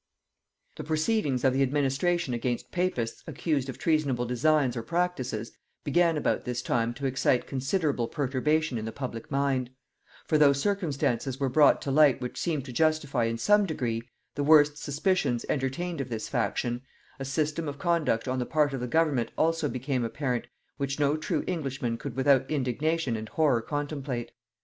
The proceedings of the administration against papists accused of treasonable designs or practices, began about this time to excite considerable perturbation in the public mind; for though circumstances were brought to light which seemed to justify in some degree the worst suspicions entertained of this faction, a system of conduct on the part of the government also became apparent which no true Englishman could without indignation and horror contemplate.